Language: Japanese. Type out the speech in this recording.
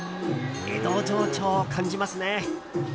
江戸情緒を感じますね。